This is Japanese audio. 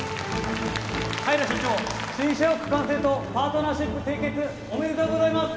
平社長新社屋完成とパートナーシップ締結おめでとうございます